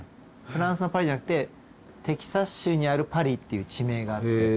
フランスのパリじゃなくてテキサス州にあるパリっていう地名があって。